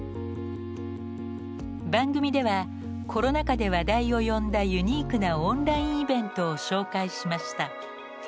番組ではコロナ禍で話題を呼んだユニークなオンラインイベントを紹介しました。